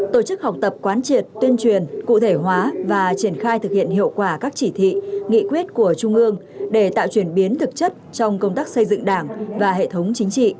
tổ chức học tập quán triệt tuyên truyền cụ thể hóa và triển khai thực hiện hiệu quả các chỉ thị nghị quyết của trung ương để tạo chuyển biến thực chất trong công tác xây dựng đảng và hệ thống chính trị